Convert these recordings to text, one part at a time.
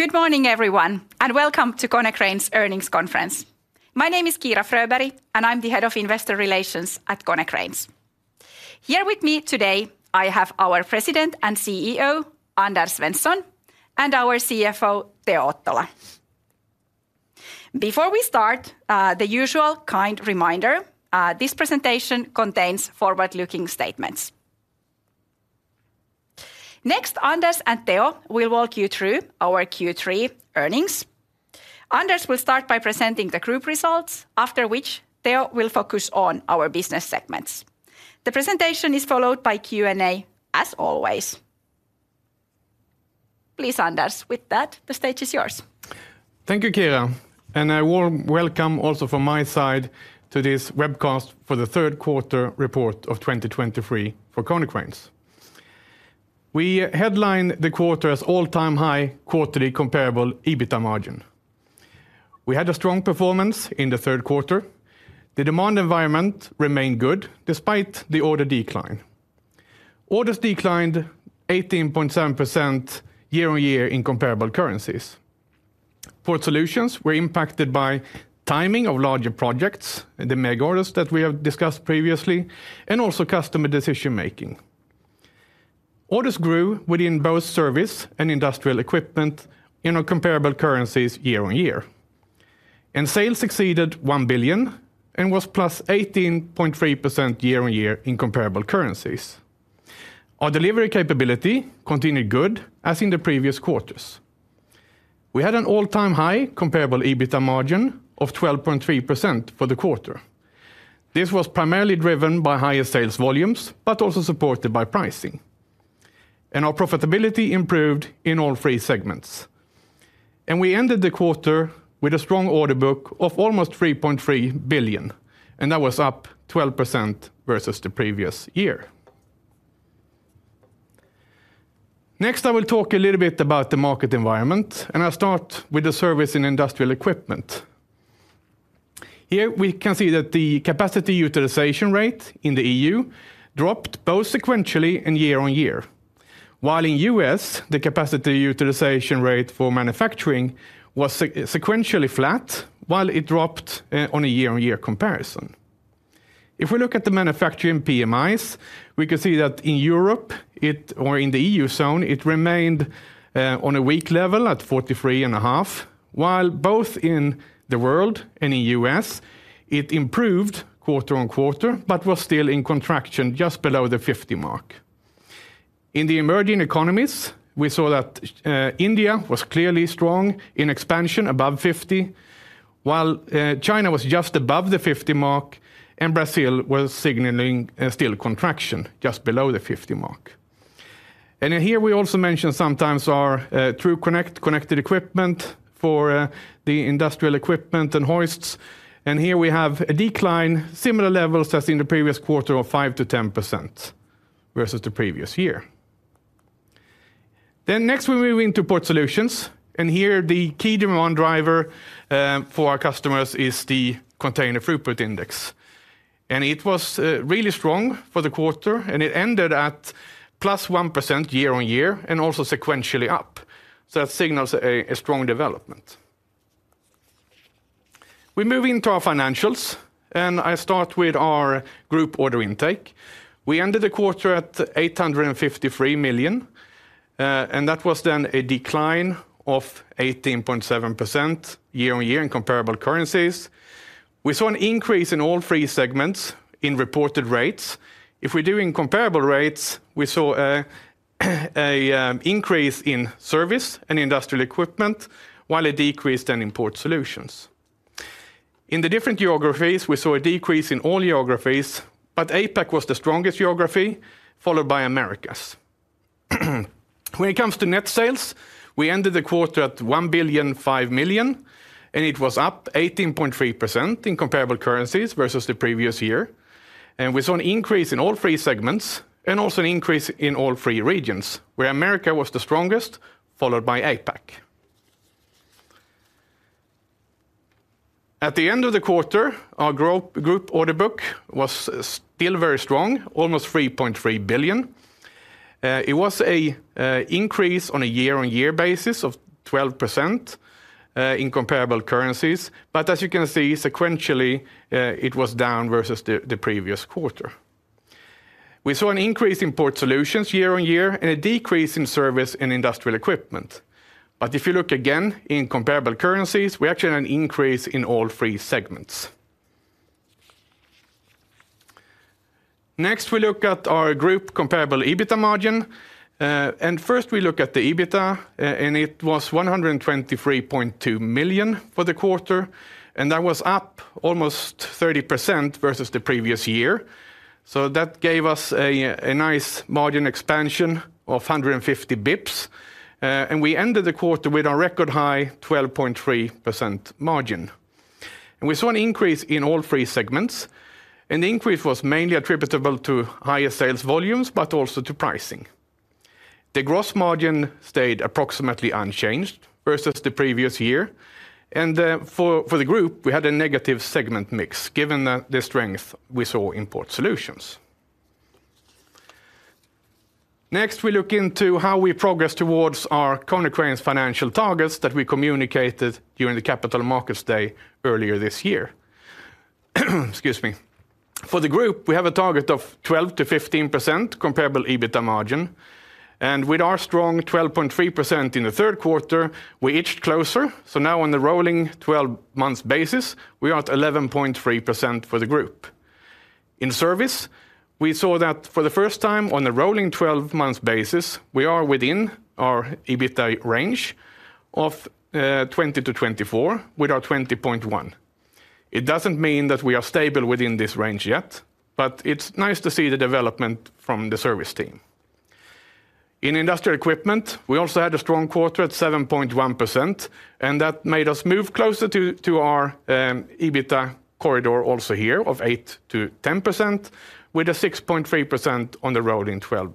Good morning, everyone, and welcome to Konecranes Earnings Conference. My name is Kiira Fröberg, and I'm the Head of Investor Relations at Konecranes. Here with me today, I have our President and CEO, Anders Svensson, and our CFO, Teo Ottola. Before we start, the usual kind reminder, this presentation contains forward-looking statements. Next, Anders and Teo will walk you through our Q3 earnings. Anders will start by presenting the group results, after which Teo will focus on our business segments. The presentation is followed by Q&A, as always. Please, Anders, with that, the stage is yours. Thank you, Kiira, and a warm welcome also from my side to this webcast for the third quarter report of 2023 for Konecranes. We headline the quarter's all-time high quarterly comparable EBITDA margin. We had a strong performance in the third quarter. The demand environment remained good despite the order decline. Orders declined 18.7% year-on-year in comparable currencies. Port Solutions were impacted by timing of larger projects, the mega orders that we have discussed previously, and also customer decision-making. Orders grew within both service and industrial equipment in comparable currencies year-on-year. Sales exceeded 1 billion and was +18.3% year-on-year in comparable currencies. Our delivery capability continued good, as in the previous quarters. We had an all-time high comparable EBITDA margin of 12.3% for the quarter. This was primarily driven by higher sales volumes, but also supported by pricing. Our profitability improved in all three segments. We ended the quarter with a strong order book of almost 3.3 billion, and that was up 12% versus the previous year. Next, I will talk a little bit about the market environment, and I'll start with the service in industrial equipment. Here, we can see that the capacity utilization rate in the EU dropped both sequentially and year-on-year, while in U.S., the capacity utilization rate for manufacturing was sequentially flat, while it dropped on a year-on-year comparison. If we look at the manufacturing PMIs, we can see that in Europe, it... or in the EU zone, it remained on a weak level at 43.5, while both in the world and in U.S., it improved quarter-on-quarter, but was still in contraction just below the 50 mark. In the emerging economies, we saw that India was clearly strong in expansion, above 50, while China was just above the 50 mark, and Brazil was signaling a still contraction, just below the 50 mark. And then here, we also mentioned sometimes our TRUCONNECT, connected equipment for the industrial equipment and hoists. And here we have a decline, similar levels as in the previous quarter of 5%-10% versus the previous year. Then next, we move into Port Solutions, and here the key demand driver for our customers is the Container Throughput Index. It was really strong for the quarter, and it ended at +1% year-on-year and also sequentially up. That signals a strong development. We move into our financials, and I start with our group order intake. We ended the quarter at 853 million, and that was then a decline of 18.7% year-on-year in comparable currencies. We saw an increase in all three segments in reported rates. If we do in comparable rates, we saw an increase in Service and Industrial Equipment, while it decreased then in Port Solutions. In the different geographies, we saw a decrease in all geographies, but APAC was the strongest geography, followed by Americas. When it comes to net sales, we ended the quarter at 1.005 billion, and it was up 18.3% in comparable currencies versus the previous year. We saw an increase in all three segments and also an increase in all three regions, where America was the strongest, followed by APAC. At the end of the quarter, our group order book was still very strong, almost 3.3 billion. It was an increase on a year-on-year basis of 12% in comparable currencies, but as you can see, sequentially, it was down versus the previous quarter. We saw an increase in port solutions year-on-year and a decrease in service and industrial equipment. If you look again in comparable currencies, we actually had an increase in all three segments. Next, we look at our group comparable EBITDA margin. And first, we look at the EBITDA, and it was 123.2 million for the quarter, and that was up almost 30% versus the previous year. So that gave us a nice margin expansion of 150 basis points, and we ended the quarter with our record high, 12.3% margin. And we saw an increase in all three segments, and the increase was mainly attributable to higher sales volumes, but also to pricing. The gross margin stayed approximately unchanged versus the previous year, and, for the group, we had a negative segment mix, given the strength we saw in port solutions.... Next, we look into how we progress towards our Konecranes financial targets that we communicated during the Capital Markets Day earlier this year. Excuse me. For the group, we have a target of 12%-15% comparable EBITA margin, and with our strong 12.3% in the third quarter, we inched closer. So now on the rolling 12 months basis, we are at 11.3% for the group. In Service, we saw that for the first time on a rolling 12 months basis, we are within our EBITA range of 20%-24%, with our 20.1%. It doesn't mean that we are stable within this range yet, but it's nice to see the development from the service team. In Industrial Equipment, we also had a strong quarter at 7.1%, and that made us move closer to our EBITA corridor also here of 8%-10%, with a 6.3% on the rolling 12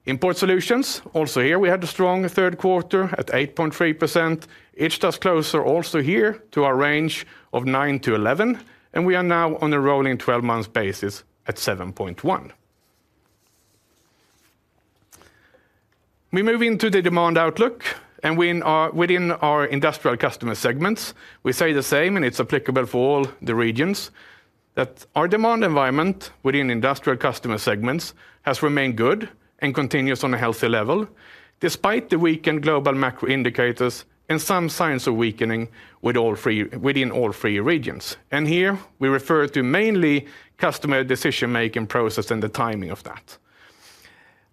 basis. In Port Solutions, also here, we had a strong third quarter at 8.3%, inched us closer also here to our range of 9%-11%, and we are now on a rolling 12-month basis at 7.1%. We move into the demand outlook, and within our, within our industrial customer segments, we say the same, and it's applicable for all the regions, that our demand environment within industrial customer segments has remained good and continues on a healthy level, despite the weakened global macro indicators and some signs of weakening with all three--within all three regions. Here we refer to mainly customer decision-making process and the timing of that.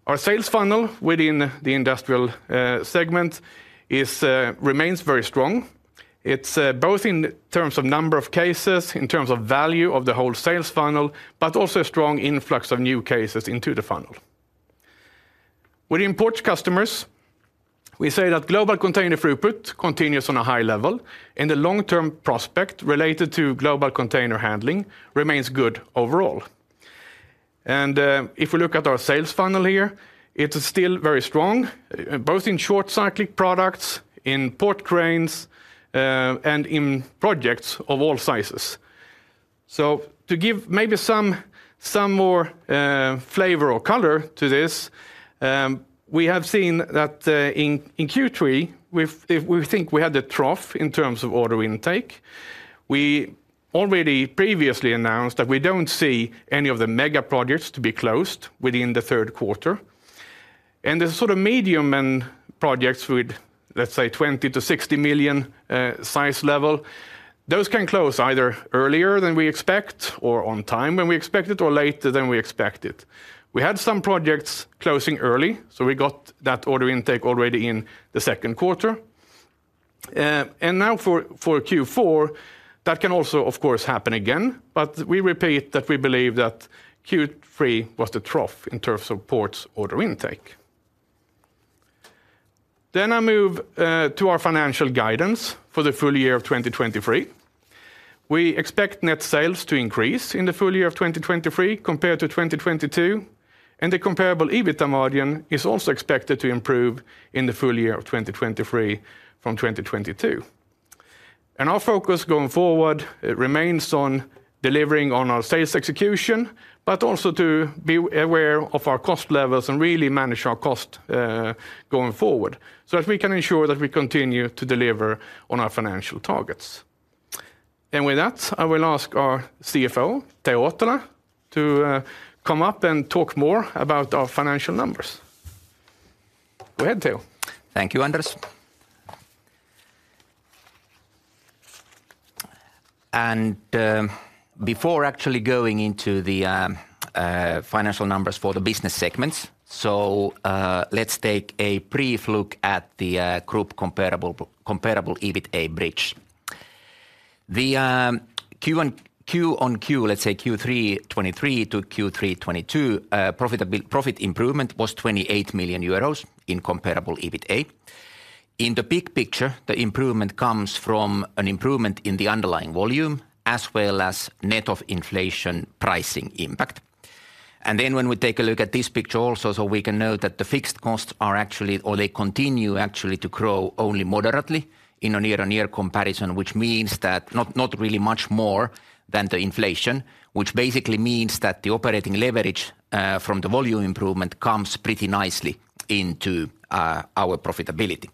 Our sales funnel within the Industrial Segment is remains very strong. It's both in terms of number of cases, in terms of value of the whole sales funnel, but also a strong influx of new cases into the funnel. Within Port customers, we say that global container throughput continues on a high level, and the long-term prospect related to global container handling remains good overall. And, if we look at our sales funnel here, it's still very strong, both in short cyclic products, in port cranes, and in projects of all sizes. So to give maybe some more flavor or color to this, we have seen that in Q3, we think we had the trough in terms of order intake. We already previously announced that we don't see any of the mega projects to be closed within the third quarter, and the sort of medium and projects with, let's say, 20 million-60 million size level, those can close either earlier than we expect or on time when we expect it, or later than we expected. We had some projects closing early, so we got that order intake already in the second quarter. And now for Q4, that can also, of course, happen again, but we repeat that we believe that Q3 was the trough in terms of ports order intake. Then I move to our financial guidance for the full year of 2023. We expect net sales to increase in the full year of 2023 compared to 2022, and the comparable EBITA margin is also expected to improve in the full year of 2023 from 2022. Our focus going forward, it remains on delivering on our sales execution, but also to be aware of our cost levels and really manage our cost going forward, so that we can ensure that we continue to deliver on our financial targets. With that, I will ask our CFO, Teo Ottola, to come up and talk more about our financial numbers. Go ahead, Teo. Thank you, Anders. Before actually going into the financial numbers for the business segments, let's take a brief look at the group Comparable EBITA bridge. The Q-on-Q, let's say Q3 2023 to Q3 2022, profit improvement was 28 million euros in Comparable EBITA. In the big picture, the improvement comes from an improvement in the underlying volume, as well as net of inflation pricing impact. And then when we take a look at this picture also, so we can know that the fixed costs continue to grow only moderately in a year-on-year comparison, which means that not really much more than the inflation, which basically means that the operating leverage from the volume improvement comes pretty nicely into our profitability.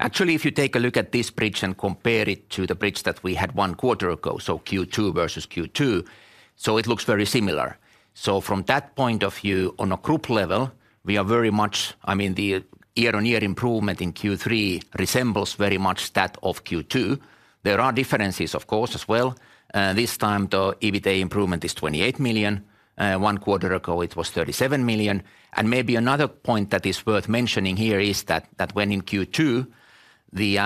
Actually, if you take a look at this bridge and compare it to the bridge that we had one quarter ago, so Q2 versus Q2, so it looks very similar. So from that point of view, on a group level, we are very much, I mean, the year-on-year improvement in Q3 resembles very much that of Q2. There are differences, of course, as well. This time, the EBITA improvement is 28 million. One quarter ago, it was 37 million. And maybe another point that is worth mentioning here is that, that when in Q2, the,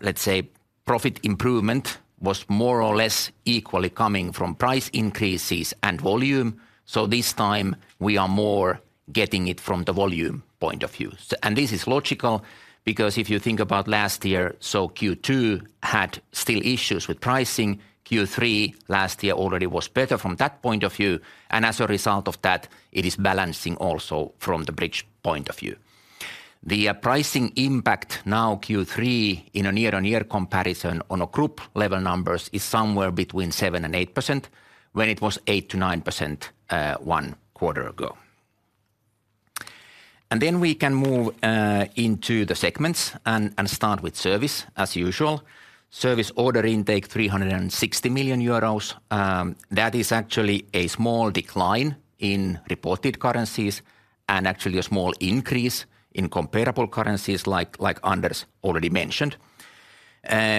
let's say, profit improvement was more or less equally coming from price increases and volume. So this time, we are more getting it from the volume point of view. And this is logical because if you think about last year, so Q2 had still issues with pricing. Q3 last year already was better from that point of view, and as a result of that, it is balancing also from the bridge point of view. The pricing impact now, Q3, in a year-on-year comparison on a group level numbers is somewhere between 7%-8%, when it was 8%-9%, one quarter ago. And then we can move into the segments and start with service, as usual. Service order intake, 360 million euros. That is actually a small decline in reported currencies, and actually a small increase in comparable currencies, like Anders already mentioned.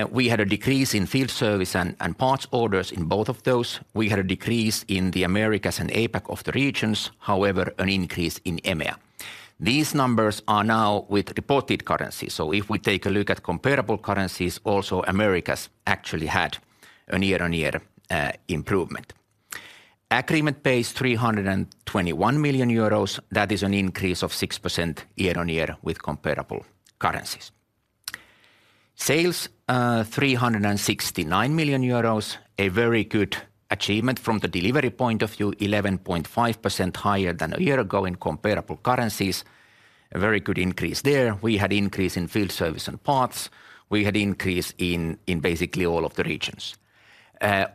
We had a decrease in field service and parts orders in both of those. We had a decrease in the Americas and APAC of the regions, however, an increase in EMEA. These numbers are now with reported currencies. So if we take a look at comparable currencies, also Americas actually had a year-on-year improvement. Order intake, 321 million euros, that is an increase of 6% year-on-year with comparable currencies. Sales, 369 million euros, a very good achievement from the delivery point of view, 11.5% higher than a year ago in comparable currencies. A very good increase there. We had increase in field service and parts. We had increase in basically all of the regions.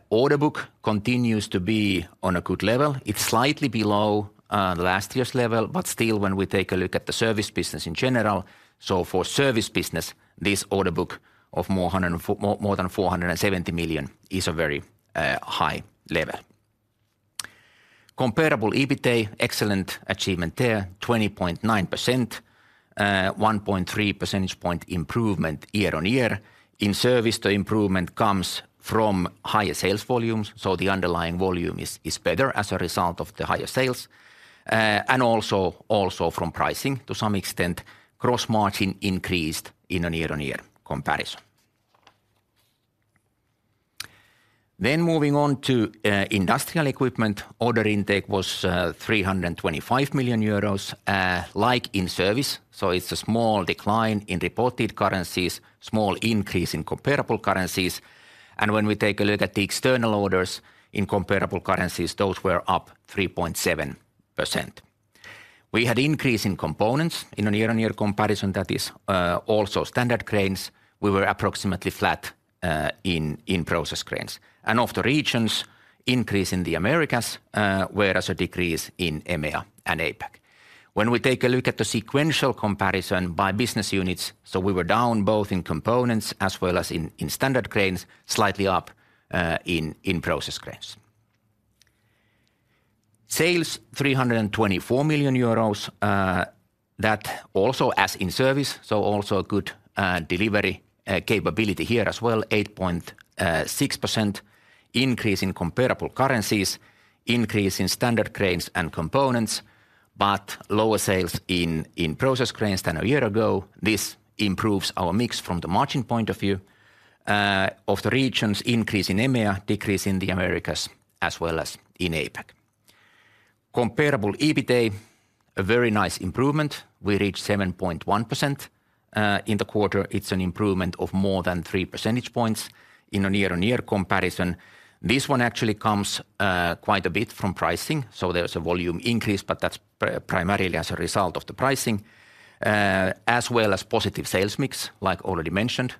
Order book continues to be on a good level. It's slightly below last year's level, but still, when we take a look at the service business in general, so for service business, this order book of more than 470 million is a very high level. Comparable EBITA, excellent achievement there, 20.9%, 1.3 percentage point improvement year-on-year. In Service, the improvement comes from higher sales volumes, so the underlying volume is better as a result of the higher sales, and also from pricing to some extent, gross margin increased in a year-on-year comparison. Then moving on to Industrial Equipment, order intake was 325 million euros, like in service. So it's a small decline in reported currencies, small increase in comparable currencies. And when we take a look at the external orders in comparable currencies, those were up 3.7%. We had increase in components in a year-on-year comparison, that is also standard cranes. We were approximately flat in process cranes. And of the regions, increase in the Americas, whereas a decrease in EMEA and APAC. When we take a look at the sequential comparison by business units, so we were down both in components as well as in standard cranes, slightly up in process cranes. Sales, 324 million euros, that also as in Service, so also a good delivery capability here as well, 8.6% increase in comparable currencies, increase in standard cranes and components, but lower sales in process cranes than a year ago. This improves our mix from the margin point of view, of the regions increase in EMEA, decrease in the Americas, as well as in APAC. Comparable EBITA, a very nice improvement. We reached 7.1% in the quarter. It's an improvement of more than 3 percentage points in a year-on-year comparison. This one actually comes quite a bit from pricing, so there's a volume increase, but that's primarily as a result of the pricing, as well as positive sales mix, like already mentioned,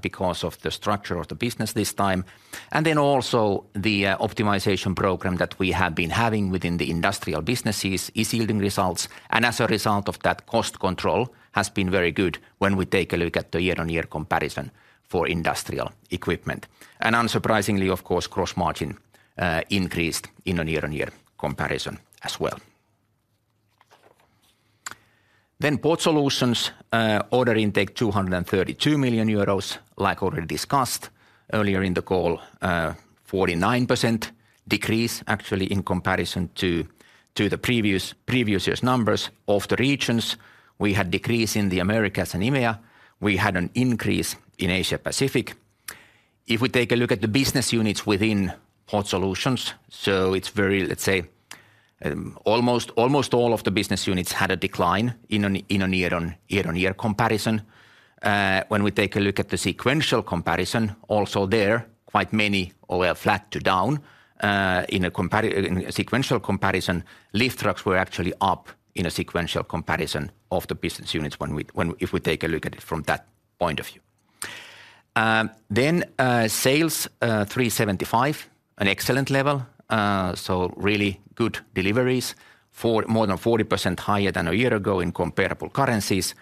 because of the structure of the business this time. And then also the optimization program that we have been having within the industrial businesses is yielding results, and as a result of that, cost control has been very good when we take a look at the year-on-year comparison for Industrial Equipment. And unsurprisingly, of course, gross margin increased in a year-on-year comparison as well. Then Port Solutions order intake 232 million euros, like already discussed earlier in the call, 49% decrease, actually, in comparison to the previous year's numbers of the regions. We had decrease in the Americas and EMEA. We had an increase in Asia Pacific. If we take a look at the business units within Port Solutions, so it's very, let's say, almost all of the business units had a decline in a year-on-year comparison. When we take a look at the sequential comparison, also there, quite many were flat to down in a sequential comparison, lift trucks were actually up in a sequential comparison of the business units when we if we take a look at it from that point of view. Then sales 375 million, an excellent level, so really good deliveries, for more than 40% higher than a year ago in comparable currencies.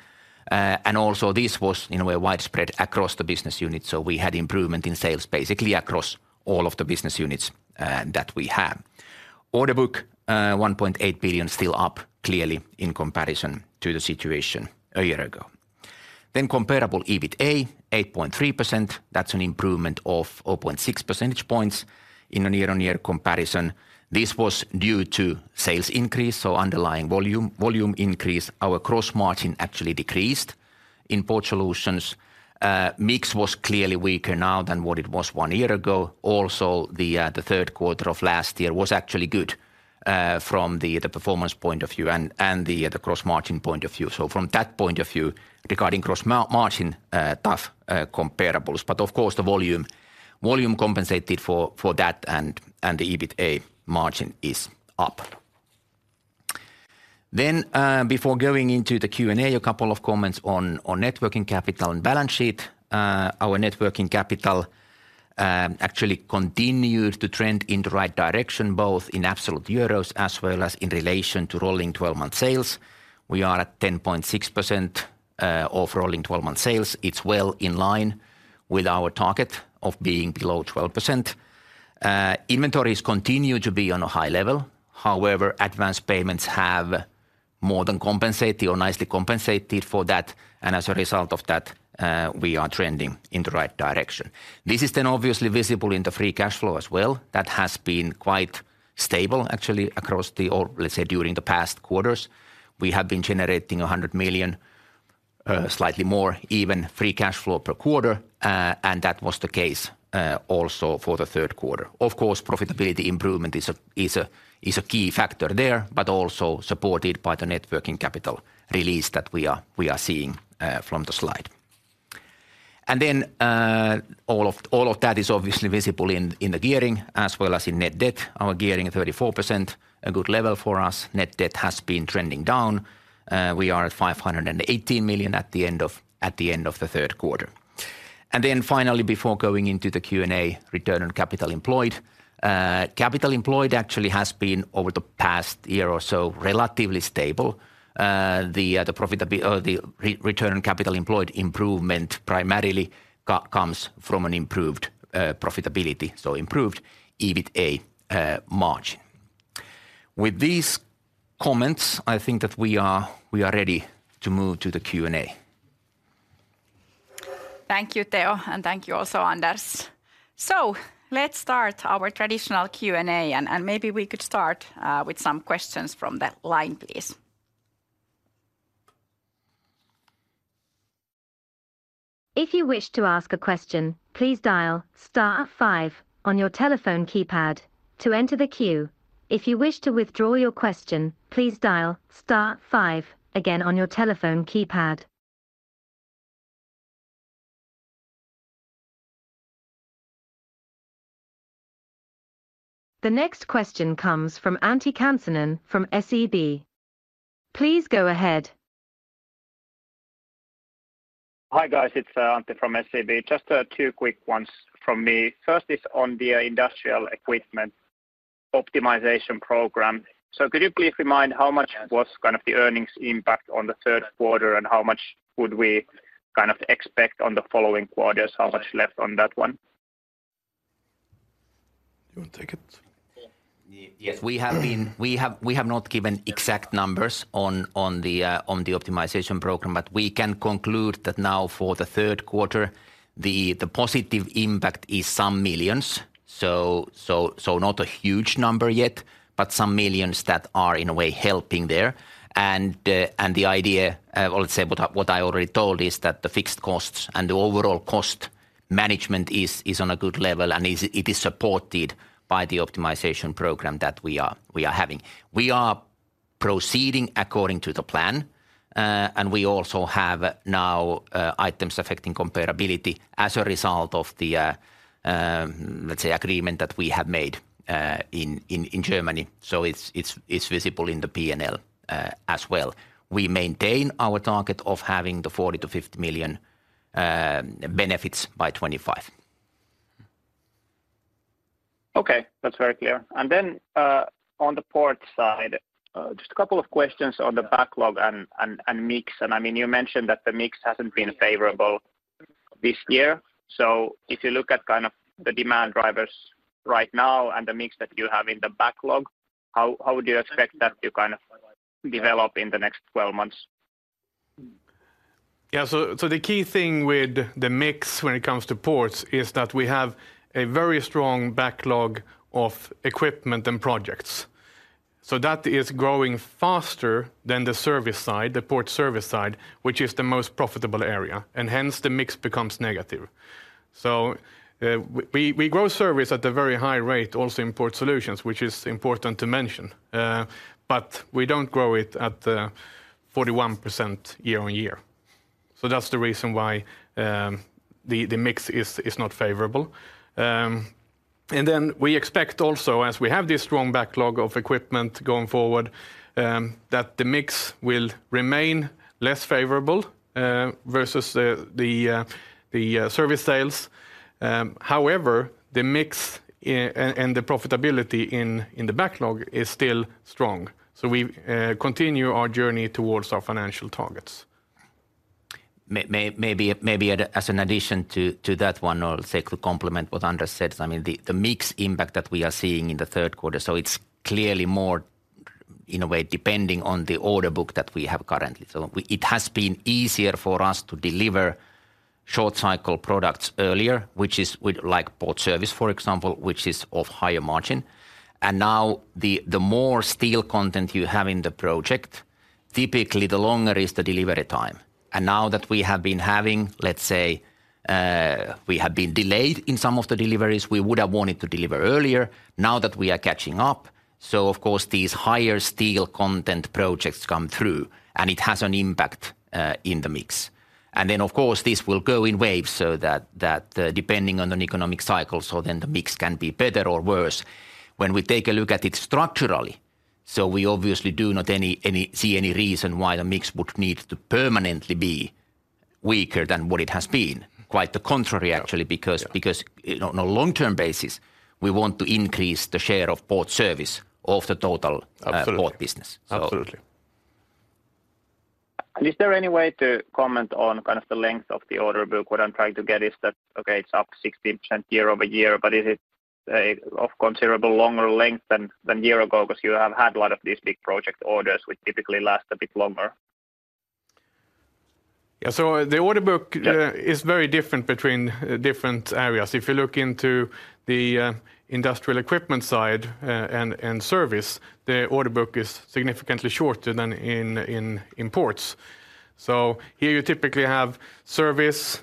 And also this was in a way, widespread across the business unit, so we had improvement in sales, basically across all of the business units that we have. Order book, 1.8 billion, still up, clearly, in comparison to the situation a year ago. Then comparable EBITA, 8.3%, that's an improvement of 0.6 percentage points in a year-on-year comparison. This was due to sales increase, so underlying volume, volume increase. Our gross margin actually decreased in Port Solutions. Mix was clearly weaker now than what it was one year ago. Also, the third quarter of last year was actually good, from the performance point of view and the gross margin point of view. From that point of view, regarding gross margin, tough comparables, but of course, the volume compensated for that, and the EBITA margin is up. Then, before going into the Q&A, a couple of comments on net working capital and balance sheet. Our net working capital actually continued to trend in the right direction, both in absolute EUR as well as in relation to rolling 12-month sales. We are at 10.6% of rolling 12-month sales. It's well in line with our target of being below 12%. Inventories continue to be on a high level. However, advanced payments have more than compensated or nicely compensated for that, and as a result of that, we are trending in the right direction. This is then obviously visible in the free cash flow as well. That has been quite stable, actually, across the, let's say, during the past quarters. We have been generating 100 million, slightly more, even free cash flow per quarter, and that was the case also for the third quarter. Of course, profitability improvement is a key factor there, but also supported by the net working capital release that we are seeing from the slide. And then, all of that is obviously visible in the gearing as well as in net debt. Our gearing, 34%, a good level for us. Net debt has been trending down. We are at 518 million at the end of the third quarter. And then finally, before going into the Q&A, return on capital employed. Capital employed actually has been, over the past year or so, relatively stable. The profitability, the return on capital employed improvement primarily comes from an improved profitability, so improved EBITA margin. With these comments, I think that we are ready to move to the Q&A. Thank you, Teo, and thank you also, Anders. So let's start our traditional Q&A, and maybe we could start with some questions from the line, please. If you wish to ask a question, please dial star five on your telephone keypad to enter the queue. If you wish to withdraw your question, please dial star five again on your telephone keypad. The next question comes from Antti Kansanen from SEB. Please go ahead. Hi, guys. It's Antti from SEB. Just two quick ones from me. First is on the Industrial Equipment optimization program. So could you please remind how much was kind of the earnings impact on the third quarter, and how much would we kind of expect on the following quarters? How much left on that one? You want to take it? Yes, we have not given exact numbers on the optimization program, but we can conclude that now for the third quarter, the positive impact is some millions. So not a huge number yet, but some millions that are in a way helping there. And the idea, well, let's say, what I already told is that the fixed costs and the overall cost management is on a good level, and it is supported by the optimization program that we are having. We are proceeding according to the plan, and we also have now items affecting comparability as a result of the, let's say, agreement that we have made in Germany. So it's visible in the P&L, as well. We maintain our target of having the 40 million-50 million benefits by 2025. Okay, that's very clear. And then, on the port side, just a couple of questions on the backlog and mix. And I mean, you mentioned that the mix hasn't been favorable this year. So if you look at kind of the demand drivers right now and the mix that you have in the backlog, how would you expect that to kind of develop in the next 12 months? Yeah. Yeah, so the key thing with the mix when it comes to ports is that we have a very strong backlog of equipment and projects. So that is growing faster than the service side, the port service side, which is the most profitable area, and hence, the mix becomes negative. So, we grow Service at a very high rate, also in Port Solutions, which is important to mention, but we don't grow it at 41% year-on-year. So that's the reason why the mix is not favorable. And then we expect also, as we have this strong backlog of equipment going forward, that the mix will remain less favorable versus the service sales. However, the mix and the profitability in the backlog is still strong, so we continue our journey towards our financial targets. Maybe, as an addition to that one, or let's say to complement what Anders said, I mean, the mix impact that we are seeing in the third quarter, so it's clearly more in a way, depending on the order book that we have currently. So it has been easier for us to deliver short cycle products earlier, which is with like port service, for example, which is of higher margin. And now the more steel content you have in the project, typically the longer is the delivery time. And now that we have been having, let's say, we have been delayed in some of the deliveries we would have wanted to deliver earlier, now that we are catching up, so of course, these higher steel content projects come through, and it has an impact in the mix. And then, of course, this will go in waves, so that, depending on the economic cycle, so then the mix can be better or worse. When we take a look at it structurally, so we obviously do not see any reason why the mix would need to permanently be weaker than what it has been. Quite the contrary, actually. Yeah Because on a long-term basis, we want to increase the share of port service of the total- Absolutely -port business. Absolutely. Is there any way to comment on kind of the length of the order book? What I'm trying to get is that, okay, it's up 60% year-over-year, but is it of considerable longer length than year ago? Because you have had a lot of these big project orders, which typically last a bit longer. Yeah. So the order book- Yeah is very different between different areas. If you look into the Industrial Equipment side, and Service, the order book is significantly shorter than in ports. So here you typically have service,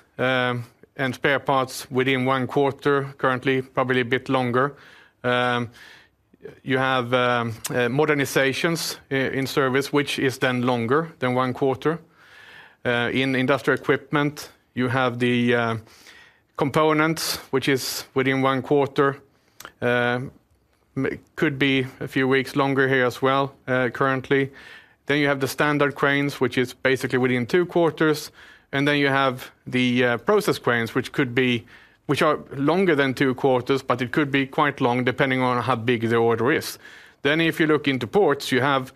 and spare parts within one quarter, currently, probably a bit longer. You have modernizations in Service, which is then longer than one quarter. In Industrial Equipment, you have the components, which is within one quarter. Could be a few weeks longer here as well, currently. Then you have the standard cranes, which is basically within two quarters, and then you have the process cranes, which could be which are longer than two quarters, but it could be quite long, depending on how big the order is. Then if you look into ports, you have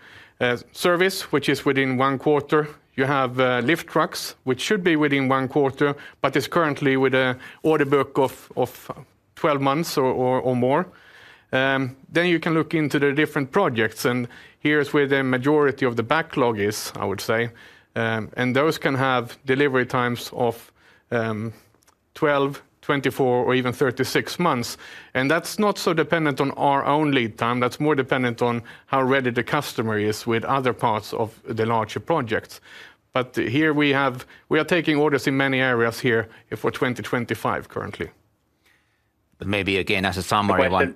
service, which is within one quarter. You have lift trucks, which should be within one quarter, but is currently with an order book of 12 months or more. Then you can look into the different projects, and here's where the majority of the backlog is, I would say. And those can have delivery times of 12, 24, or even 36 months, and that's not so dependent on our own lead time. That's more dependent on how ready the customer is with other parts of the larger projects. But here we are taking orders in many areas here for 2025 currently. But maybe again, as a summary one-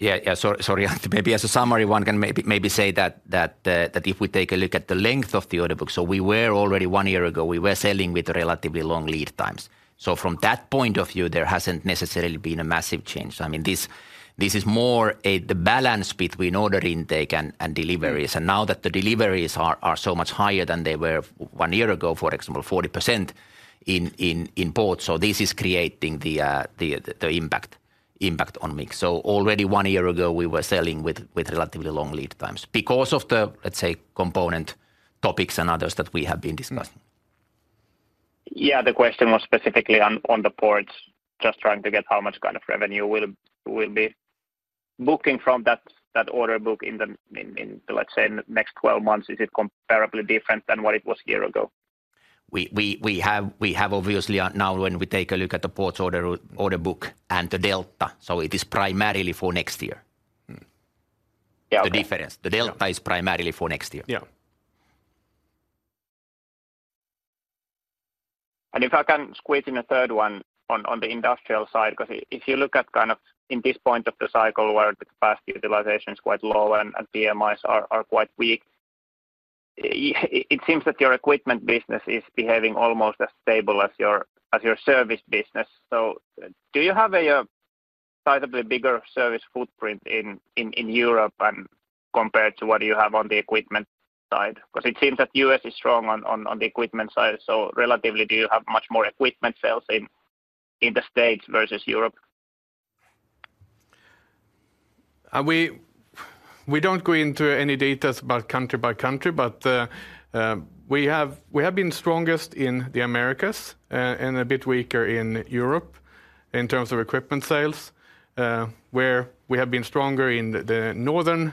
Right, and- Yeah, yeah, sorry. Maybe as a summary, one can maybe say that, that if we take a look at the length of the order book, so we were already one year ago, we were selling with relatively long lead times. So from that point of view, there hasn't necessarily been a massive change. I mean, this is more a the balance between order intake and deliveries. And now that the deliveries are so much higher than they were one year ago, for example, 40% in ports, so this is creating the impact on mix. So already one year ago, we were selling with relatively long lead times because of the, let's say, component topics and others that we have been discussing. Yeah, the question was specifically on the ports. Just trying to get how much kind of revenue we'll be booking from that order book in, let's say, next 12 months. Is it comparably different than what it was a year ago? We have obviously now when we take a look at the ports order book and the delta, so it is primarily for next year. Yeah, okay. The difference- Yeah... the delta is primarily for next year. Yeah. And if I can squeeze in a third one on the industrial side, because if you look at kind of in this point of the cycle where the capacity utilization is quite low and PMIs are quite weak, it seems that your equipment business is behaving almost as stable as your service business. So do you have a possibly bigger service footprint in Europe compared to what you have on the equipment side? Because it seems that U.S. is strong on the equipment side. So relatively, do you have much more equipment sales in the States versus Europe? We don't go into any details about country by country, but we have been strongest in the Americas, and a bit weaker in Europe in terms of equipment sales, where we have been stronger in the northern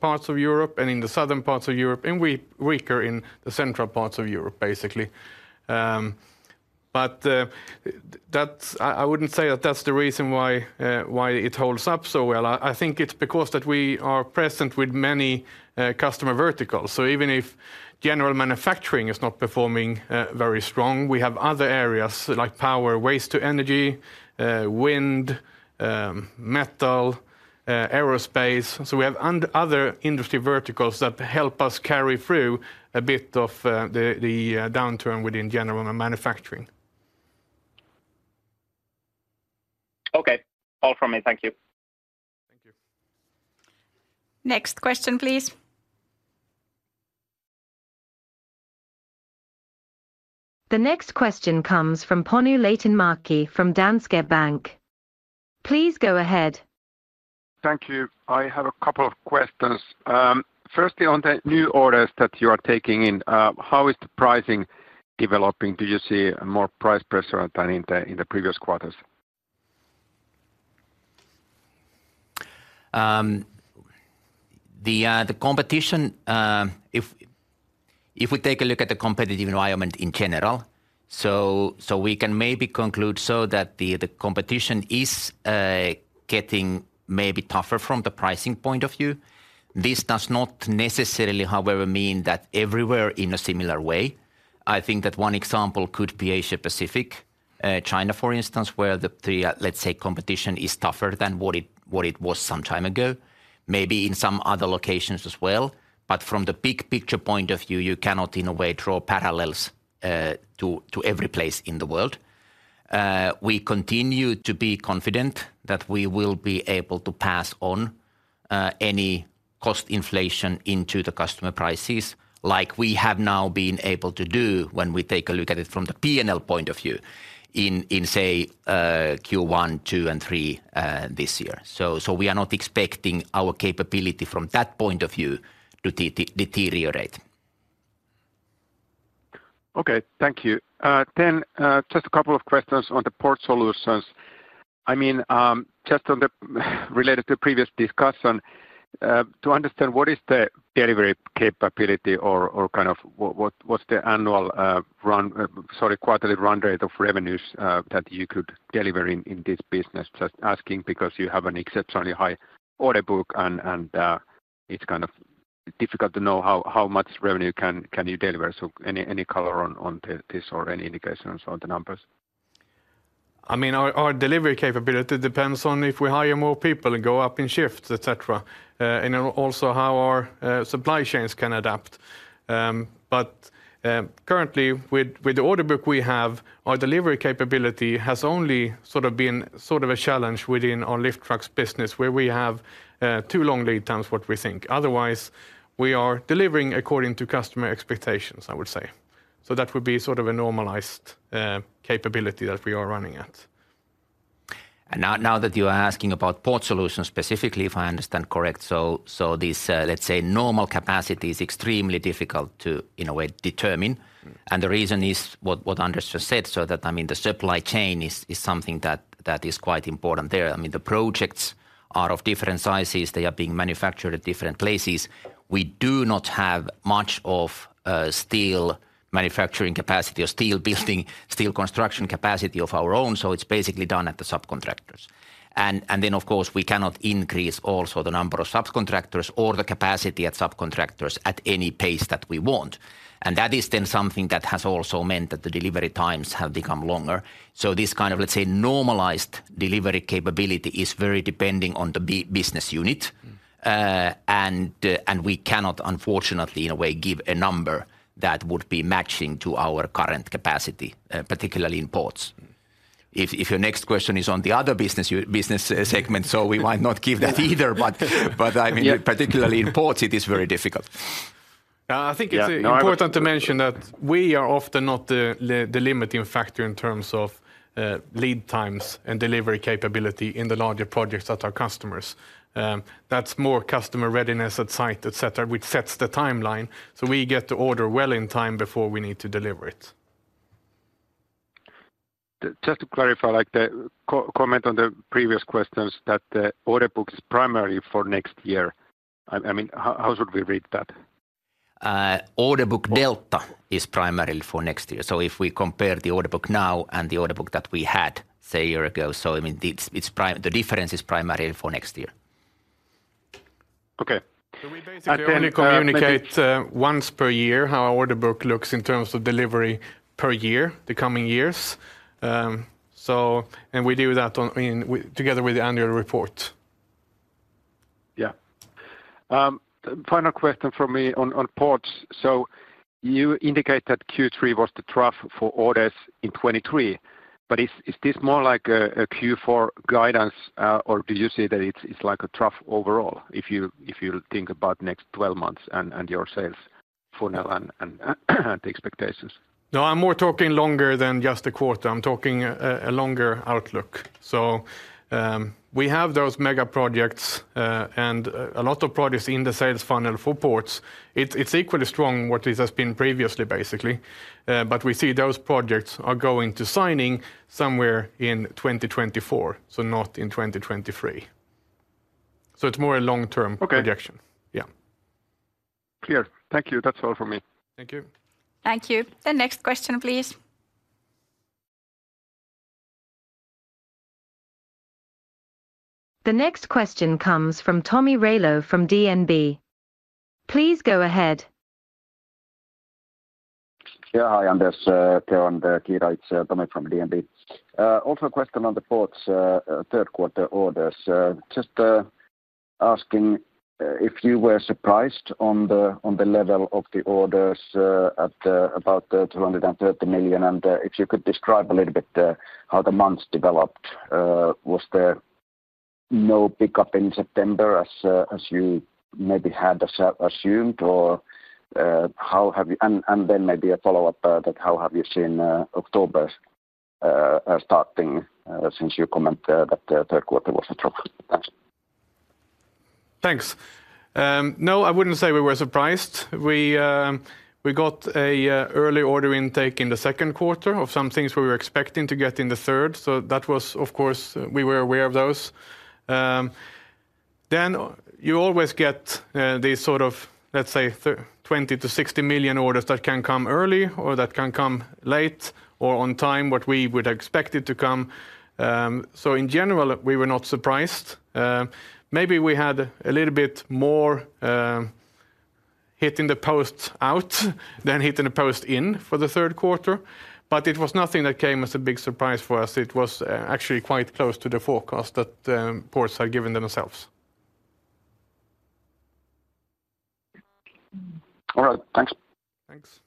parts of Europe and in the southern parts of Europe, and weaker in the central parts of Europe, basically. But that's... I wouldn't say that that's the reason why it holds up so well. I think it's because that we are present with many customer verticals. So even if general manufacturing is not performing very strong, we have other areas like power, waste-to-energy, wind, metal, aerospace. So we have other industry verticals that help us carry through a bit of the downturn within general manufacturing. Okay, all from me. Thank you. Thank you. Next question, please. The next question comes from Panu Laitinmäki from Danske Bank. Please go ahead. Thank you. I have a couple of questions. Firstly, on the new orders that you are taking in, how is the pricing developing? Do you see more price pressure than in the previous quarters? The competition, if we take a look at the competitive environment in general, so we can maybe conclude that the competition is getting maybe tougher from the pricing point of view. This does not necessarily, however, mean that everywhere in a similar way. I think that one example could be Asia-Pacific, China, for instance, where the, let's say, competition is tougher than what it was some time ago, maybe in some other locations as well. But from the big picture point of view, you cannot in a way draw parallels to every place in the world. We continue to be confident that we will be able to pass on-... any cost inflation into the customer prices, like we have now been able to do when we take a look at it from the P&L point of view in, say, Q1, Q2, and Q3, this year. So, we are not expecting our capability from that point of view to deteriorate. Okay, thank you. Then, just a couple of questions on the Port Solutions. I mean, just on the related to previous discussion, to understand what is the delivery capability or kind of what what's the annual run sorry quarterly run rate of revenues that you could deliver in this business? Just asking because you have an exceptionally high order book and it's kind of difficult to know how much revenue can you deliver. So any color on this or any indications on the numbers? I mean, our delivery capability depends on if we hire more people and go up in shifts, et cetera, and then also how our supply chains can adapt. But currently, with the order book we have, our delivery capability has only sort of been sort of a challenge within our lift trucks business, where we have too long lead times what we think. Otherwise, we are delivering according to customer expectations, I would say. So that would be sort of a normalized capability that we are running at. And now, now that you are asking about Port Solutions specifically, if I understand correct, so, so this, let's say normal capacity is extremely difficult to, in a way, determine. And the reason is what, what Anders just said, so that, I mean, the supply chain is, is something that, that is quite important there. I mean, the projects are of different sizes. They are being manufactured at different places. We do not have much of, steel manufacturing capacity or steel building, steel construction capacity of our own, so it's basically done at the subcontractors. And, and then, of course, we cannot increase also the number of subcontractors or the capacity at subcontractors at any pace that we want, and that is then something that has also meant that the delivery times have become longer. So this kind of, let's say, normalized delivery capability is very dependent on the business unit. Mm. We cannot, unfortunately, in a way, give a number that would be matching to our current capacity, particularly in ports. Mm. If, if your next question is on the other business segment, so we might not give that either. But- Yeah... but, I mean, particularly in ports, it is very difficult. I think it's- Yeah. No,... important to mention that we are often not the limiting factor in terms of lead times and delivery capability in the larger projects at our customers. That's more customer readiness at site, et cetera, which sets the timeline, so we get to order well in time before we need to deliver it. Just to clarify, like, the comment on the previous questions, that the order book is primarily for next year. I mean, how should we read that? Order book delta is primarily for next year. So if we compare the order book now and the order book that we had, say, a year ago, so, I mean, the difference is primarily for next year. Okay. So we basically- I only-... communicate once per year how our order book looks in terms of delivery per year, the coming years. So, and we do that on, I mean, with, together with the annual report. Yeah. Final question from me on ports. So you indicate that Q3 was the trough for orders in 2023, but is this more like a Q4 guidance, or do you see that it's like a trough overall, if you think about next 12 months and your sales funnel and the expectations? No, I'm more talking longer than just a quarter. I'm talking a longer outlook. So, we have those mega projects, and a lot of projects in the sales funnel for ports. It's equally strong what it has been previously, basically, but we see those projects are going to signing somewhere in 2024, so not in 2023. So it's more a long-term- Okay... projection. Yeah. Clear. Thank you. That's all for me. Thank you. Thank you. The next question, please. The next question comes from Tomi Railo from DNB. Please go ahead. Yeah. Hi, Anders, Teo, and Kiira. It's Tomi from DNB. Also a question on the ports, third quarter orders. Just asking if you were surprised on the level of the orders at about 330 million, and if you could describe a little bit how the months developed. Was there no pickup in September as you maybe had assumed, or how have you... And then maybe a follow-up, that how have you seen October starting, since you comment that the third quarter was a trough? Thanks. Thanks. No, I wouldn't say we were surprised. We, we got a early order intake in the second quarter of some things we were expecting to get in the third, so that was, of course, we were aware of those. Then you always get, these sort of, let's say, 20 million-60 million orders that can come early or that can come late or on time, what we would expect it to come. So in general, we were not surprised. Maybe we had a little bit more, hitting the post out than hitting the post in for the third quarter, but it was nothing that came as a big surprise for us. It was, actually quite close to the forecast that, ports had given themselves. All right. Thanks. Thanks....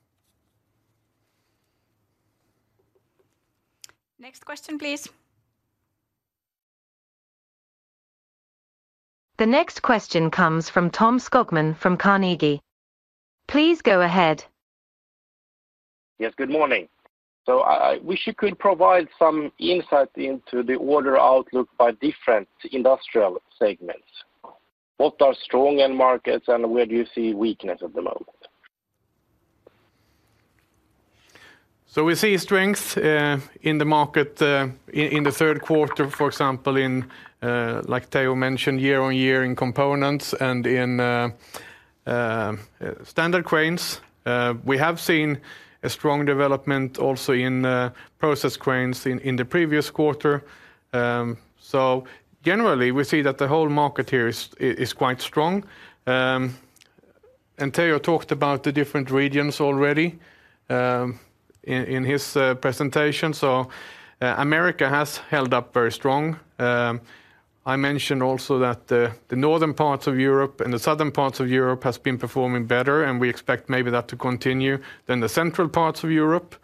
Next question, please. The next question comes from Tom Skogman from Carnegie. Please go ahead. Yes, good morning. So I wish you could provide some insight into the order outlook by different industrial segments. What are strong end markets, and where do you see weakness at the moment? So we see strength in the market in the third quarter, for example, like Teo mentioned, year-on-year in components and in standard cranes. We have seen a strong development also in process cranes in the previous quarter. So generally, we see that the whole market here is quite strong. And Teo talked about the different regions already in his presentation. So America has held up very strong. I mentioned also that the northern parts of Europe and the southern parts of Europe has been performing better, and we expect maybe that to continue than the central parts of Europe.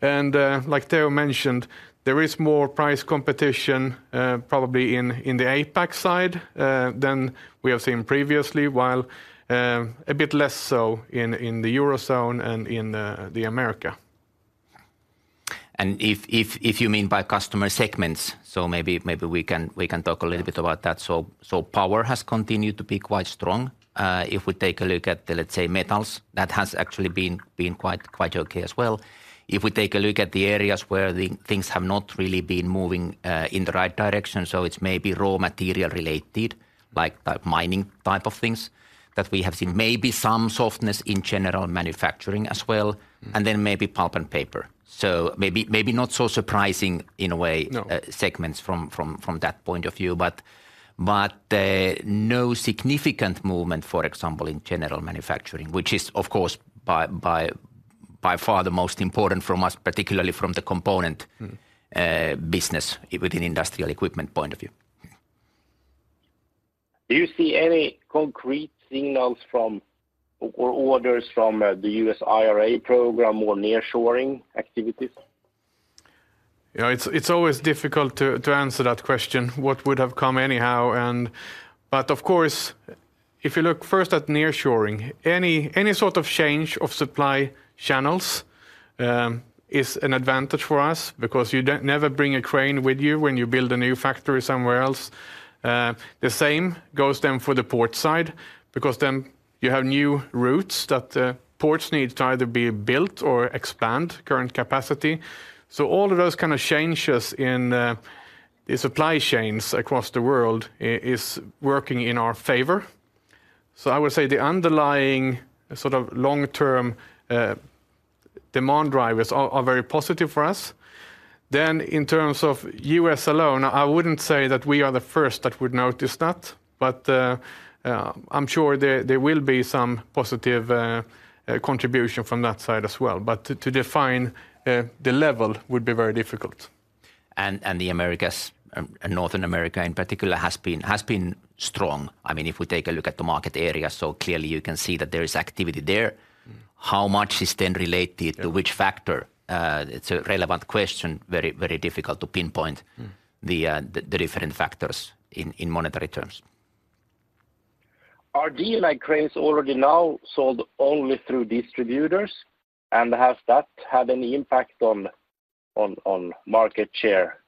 Like Teo mentioned, there is more price competition, probably in the APAC side, than we have seen previously, while a bit less so in the Eurozone and in the Americas. And if you mean by customer segments, so maybe we can talk a little bit about that. So power has continued to be quite strong. If we take a look at the, let's say, metals, that has actually been quite okay as well. If we take a look at the areas where the things have not really been moving in the right direction, so it's maybe raw material related, like the mining type of things, that we have seen maybe some softness in general manufacturing as well, and then maybe pulp and paper. So maybe not so surprising in a way- No... segments from that point of view. But no significant movement, for example, in general manufacturing, which is, of course, by far the most important from us, particularly from the component- Mm... business, within Industrial Equipment point of view. Do you see any concrete signals from, or orders from, the U.S. IRA program or nearshoring activities? Yeah, it's always difficult to answer that question, what would have come anyhow? But of course, if you look first at nearshoring, any sort of change of supply channels is an advantage for us because you never bring a crane with you when you build a new factory somewhere else. The same goes then for the port side, because then you have new routes that ports need to either be built or expand current capacity. So all of those kind of changes in the supply chains across the world is working in our favor. So I would say the underlying, sort of, long-term demand drivers are very positive for us. Then, in terms of the U.S. alone, I wouldn't say that we are the first that would notice that, but I'm sure there will be some positive contribution from that side as well. But to define the level would be very difficult. The Americas, and Northern America in particular, has been strong. I mean, if we take a look at the market area, so clearly you can see that there is activity there. Mm. How much is then related- Yeah... to which factor? It's a relevant question. Very, very difficult to pinpoint- Mm... the different factors in monetary terms. Are Demag cranes already now sold only through distributors, and has that had any impact on market share?